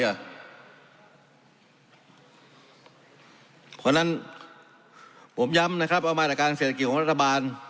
เพราะฉะนั้นผมย้ำนะครับว่ามาตรการเศรษฐกิจของรัฐบาล